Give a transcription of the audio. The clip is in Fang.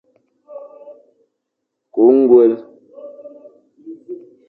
Kü ñgwel.